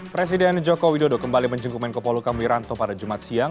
presiden joko widodo kembali menjenguk menko polukam wiranto pada jumat siang